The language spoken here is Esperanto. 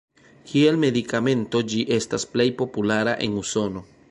Kiel medikamento ĝi estas plej populara en Usono.